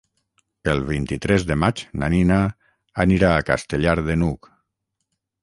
El vint-i-tres de maig na Nina anirà a Castellar de n'Hug.